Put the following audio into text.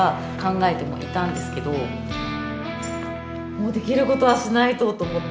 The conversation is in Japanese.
もうできることはしないとと思って。